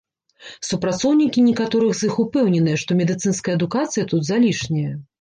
Супрацоўнікі некаторых з іх упэўненыя, што медыцынская адукацыя тут залішняя.